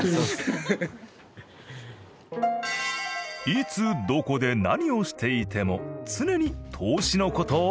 いつどこで何をしていても常に投資の事を考えている。